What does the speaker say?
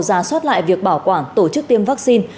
ra soát lại việc bảo quản tổ chức tiêm vaccine